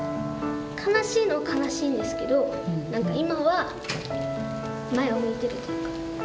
悲しいのは悲しいんですけど何か今は前を向いてるというか。